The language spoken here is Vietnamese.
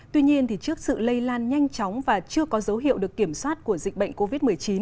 tuy nhiên trước sự lây lan nhanh chóng và chưa có dấu hiệu được kiểm soát của dịch bệnh covid một mươi chín